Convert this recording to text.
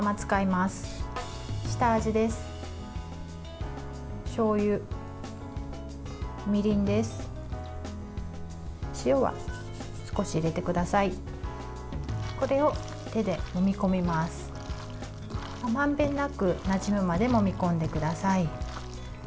まんべんなく、なじむまでもみ込んでください。